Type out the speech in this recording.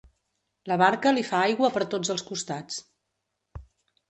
La barca li fa aigua per tots els costats.